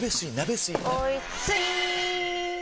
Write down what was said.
おいスイー！